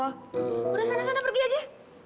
sudah sana sana pergi aja